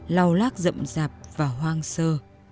lau lác rậm rạp và hoang sơ